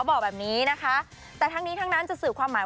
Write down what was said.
บอกแบบนี้นะคะแต่ทั้งนี้ทั้งนั้นจะสื่อความหมาย